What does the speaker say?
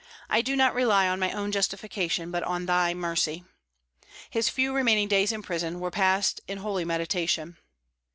I do not rely on my own justification, but on thy mercy." His few remaining days in prison were passed in holy meditation.